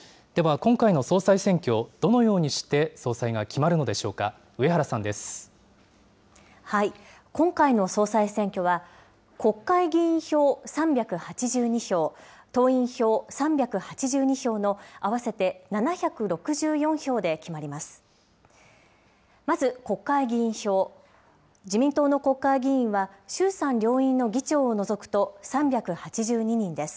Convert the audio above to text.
今回の総裁選挙は、国会議員票３８２票、党員票３８２票の、合わせて７６４票で決まります。